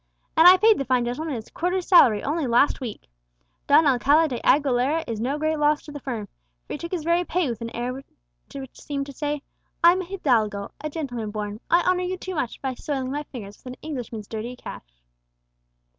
And I paid the fine gentleman his quarter's salary only last week! Don Alcala de Aguilera is no great loss to the firm, for he took his very pay with an air which seemed to say, 'I'm a hidalgo, a gentleman born; I honour you too much by soiling my fingers with an Englishman's dirty cash.'"